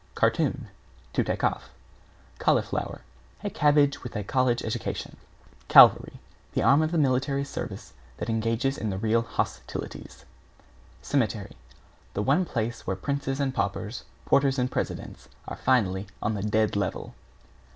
=CARTOON= The take off. =CAULIFLOWER= A Cabbage with a college education. =CAVALRY= That arm of the military service that engages in the real hoss tilities. =CEMETERY= The one place where princes and paupers, porters and presidents are finally on the dead level.